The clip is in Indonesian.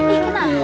ini kenapa sih